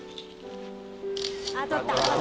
あっ撮った。